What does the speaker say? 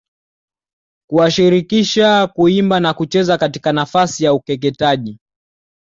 kuwashirikisha kuimba na kucheza katika nafasi ya ukeketaji